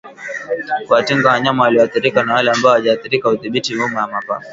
Kuwatenga wanyama walioathirika na wale ambao hawajaathirika hudhibiti homa ya mapafu